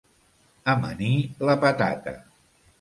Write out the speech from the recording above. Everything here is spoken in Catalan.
Amanir la patata.